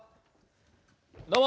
どうも。